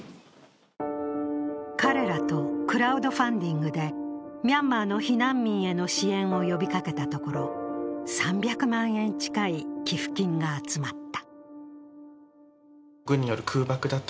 彼らとクラウドファンディングで、ミャンマーの避難民への支援を呼びかけたところ、３００万円近い寄付金が集まった。